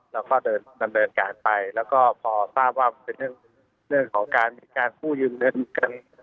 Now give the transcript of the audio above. เราก็เดินดำเนินการไปแล้วก็พอทราบว่าเป็นเรื่องของการมีการกู้ยืมเงินกัน